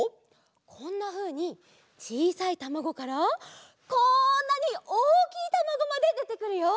こんなふうにちいさいたまごからこんなにおおきいたまごまででてくるよ。